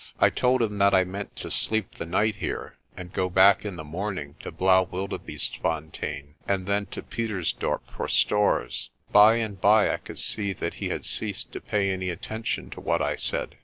I told him that I meant to sleep the night here, and go back in the morning to Blaauwildebeestefontein, and then to Pietersdorp for stores. By and by I could see that he had ceased to pay any attention to what I said.